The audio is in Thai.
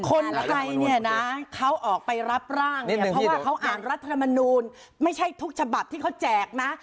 คนไทยเนี่ยนะเขาออกไปรับร่างเนี่ยเพราะว่าเขาอ่านรัฐธรรมนูลไม่ใช่ทุกฉบับที่เขาแจกนะ